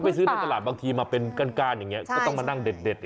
เป็นผู้ตากบางทีมาเป็นการการอย่างงี้ก็ต้องมันนั่งเด็ดอีก